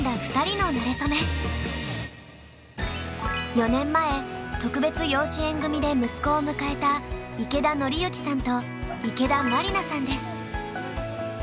４年前特別養子縁組で息子を迎えた池田紀行さんと池田麻里奈さんです。